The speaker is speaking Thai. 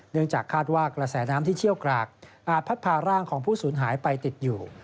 เนื่องจากคาดว่ากระแสน้ำที่เชี่ยวกรากอาจพัดพาร่างของผู้สูญหายไปติดอยู่